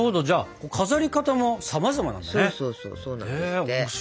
じゃあ飾り方もさまざまなんだね。